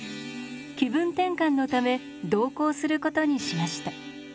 気分転換のため同行することにしました。